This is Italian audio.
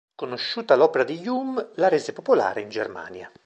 Conosciuta l'opera di Hume, la rese popolare in Germania.